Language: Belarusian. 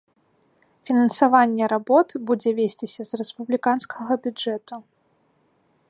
Фінансаванне работ будзе весціся з рэспубліканскага бюджэту.